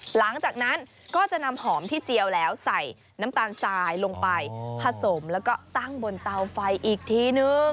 หลังจากนั้นก็จะนำหอมที่เจียวแล้วใส่น้ำตาลทรายลงไปผสมแล้วก็ตั้งบนเตาไฟอีกทีนึง